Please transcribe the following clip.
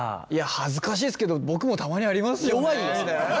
恥ずかしいですけど僕もたまにありますよねみたいな。